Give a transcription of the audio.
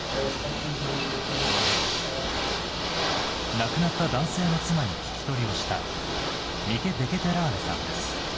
亡くなった男性の妻に聞き取りをした、ミケ・デケテラーレさんです。